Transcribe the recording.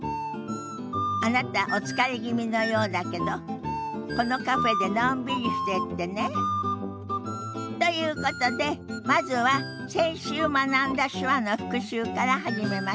あなたお疲れ気味のようだけどこのカフェでのんびりしてってね。ということでまずは先週学んだ手話の復習から始めましょ。